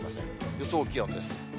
予想気温です。